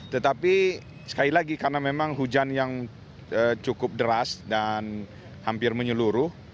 tetapi sekali lagi karena memang hujan yang cukup deras dan hampir menyeluruh